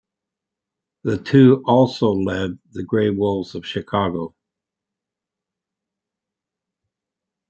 The two also led the Gray Wolves of Chicago.